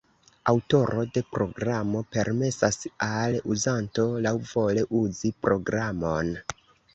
Aŭtoro de programo permesas al uzanto laŭvole uzi programon.